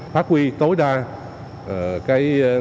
phát huy tối đa